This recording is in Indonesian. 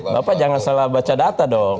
bapak jangan salah baca data dong